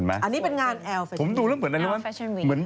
อันนี้เป็นงานแอลแฟชั่นวิน